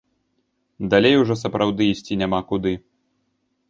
Далей ужо сапраўды ісці няма куды.